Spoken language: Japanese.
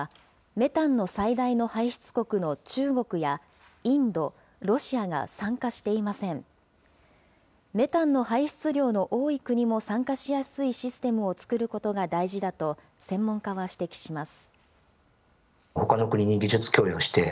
メタンの排出量の多い国も参加しやすいシステムを作ることが大事だと、専門家は指摘します。